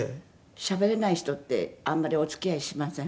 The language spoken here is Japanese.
しゃべれない人ってあんまりお付き合いしません。